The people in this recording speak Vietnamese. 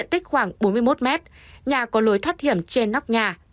tích khoảng bốn mươi một mét nhà có lối thoát hiểm trên nóc nhà